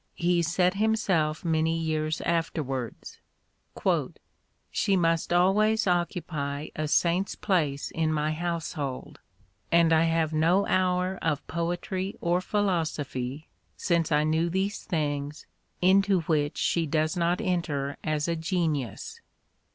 He said himself many years afterwards :" She must always occupy a saint's place in my household ; and I have no hour of poetry or philosophy, since I knew these things, into which she does not enter as a genius."